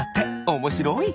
おもしろい。